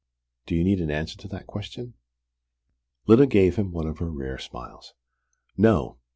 "Do you need an answer to that question?" Lyda gave him one of her rare smiles. "No.